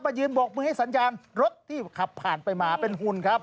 ยืนบกมือให้สัญญาณรถที่ขับผ่านไปมาเป็นหุ่นครับ